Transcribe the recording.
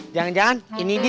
jangan jangan ini dia